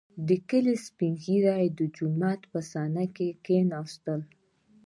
• د کلي سپین ږیري د جومات په صحنه کښېناستل.